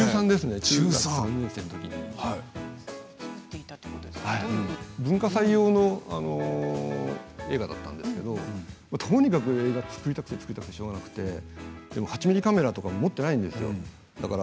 中学３年のときに文化祭用の映画だったんですけれどとにかく映画を作りたくて作りたくて、しょうがなくてでも８ミリカメラとか持っていないんですよ。